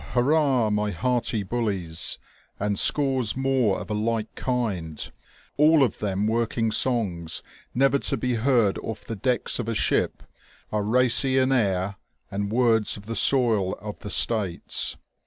hurrah! my hearty bullies," and scores more of a like kind, all of them working songs never to be heard ofif the decks of a ship, are racy in air and words of the soil of the States.